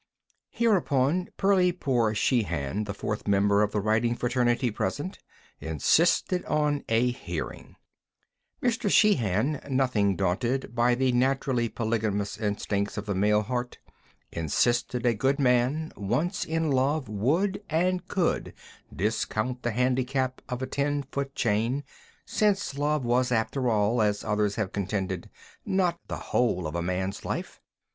Hereupon, Perley Poore Sheehan, the fourth member of the writing fraternity present, insisted on a hearing. Mr. Sheehan, nothing daunted by the naturally polygamous instincts of the male heart, insisted a good man, once in love, would and could discount the handicap of a ten foot chain, since love was after all, as others have contended, not the whole of a man's life.